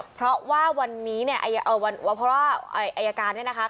เพราะว่าวันนี้เนี่ยเพราะว่าอายการเนี่ยนะคะ